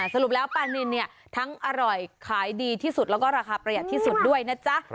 สรุปแล้วปลานินเนี่ยทั้งอร่อยขายดีที่สุดแล้วก็ราคาประหยัดที่สุดด้วยนะจ๊ะ